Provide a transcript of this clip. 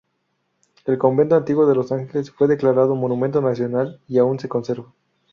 El convento antiguo de Los Andes fue declarado monumento nacional y aún se conserva.